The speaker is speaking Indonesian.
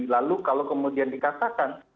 lalu kalau kemudian dikatakan